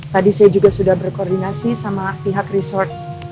tadi saya juga sudah berkoordinasi sama pihak resort